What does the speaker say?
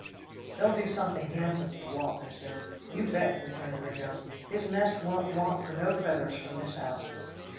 "They'll do something handsome for Walt," I said "You bet," returned Gringo. "His nest won't want for no feathers from this out."